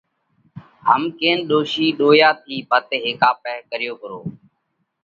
هم ڪينَ ڏوشِي ڏويا ٿِي ڀت هيڪئہ پاهئہ ڪريو پرو